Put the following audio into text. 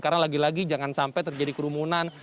karena lagi lagi jangan sampai terjadi kerumunan